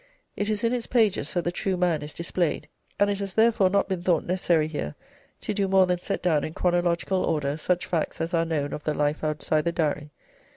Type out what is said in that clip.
It is in its pages that the true man is displayed, and it has therefore not been thought necessary here to do more than set down in chronological order such facts as are known of the life outside the Diary.